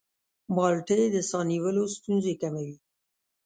مالټې د ساه نیولو ستونزې کموي.